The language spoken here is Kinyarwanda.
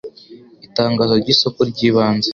itangazo ry isoko ry ibanze